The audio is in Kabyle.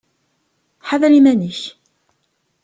Ḥader iman-ik!